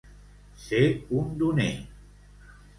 Ser un doner.